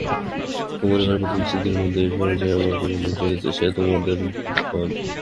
তোমাদের ঘরের প্রথম স্মৃতির মধ্যে সব চেয়ে যেটা আমার মনে জাগছে সে তোমাদের গোয়ালঘর।